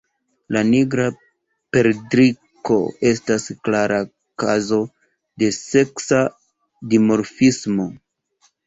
La Nigra perdriko estas klara kazo de seksa dimorfismo.